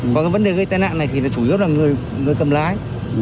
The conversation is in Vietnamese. còn cái vấn đề gây tài nạn này thì chủ yếu là người cầm lái